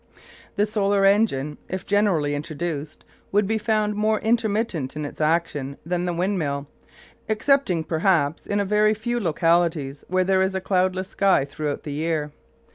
The solar engine, if generally introduced, would be found more intermittent in its action than the windmill excepting perhaps in a very few localities where there is a cloudless sky throughout the year.